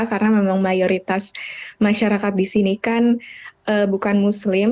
karena memang mayoritas masyarakat di sini kan bukan muslim